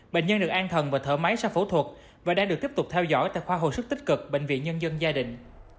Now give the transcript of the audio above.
bệnh nhân được an thần và thở máy sau phẫu thuật và đang được tiếp tục theo dõi tại khoa hồi sức tích cực bệnh viện nhân dân gia đình